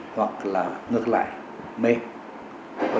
hoặc là ngược lại mệt